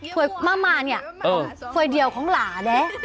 ถ่วยมากเนี่ยถ่วยเดียวของหลาเนี่ย